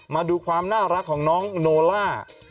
มาดูความน่ารักของน้องโนล่า